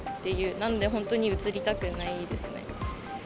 なので、本当にうつりたくないですね。